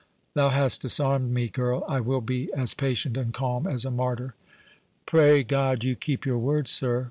thou hast disarmed me, girl. I will be as patient and calm as a martyr." "Pray God you keep your word, sir!"